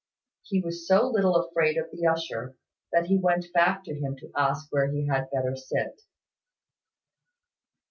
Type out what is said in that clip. He was so little afraid of the usher, that he went back to him to ask where he had better sit.